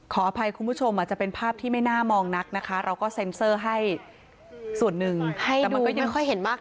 ขออภัยคุณผู้ชมอาจจะเป็นภาพที่ไม่น่ามองนักนะคะเราก็เซ็นเซอร์ให้ส่วนหนึ่งแต่มันก็ยังไม่ค่อยเห็นมาก